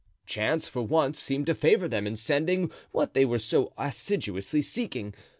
Chance for once seemed to favor them in sending what they were so assiduously seeking.